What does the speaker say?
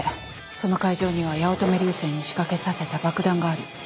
その会場には八乙女流星に仕掛けさせた爆弾がある。